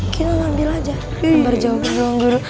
kita ambil aja ambil jawaban doang dulu